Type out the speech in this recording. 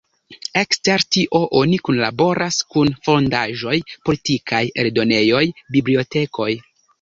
Ekster tio oni kunlaboras kun fondaĵoj politikaj, eldonejoj, bibliotekoj.